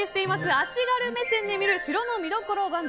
足軽目線で見る城の見どころ番付。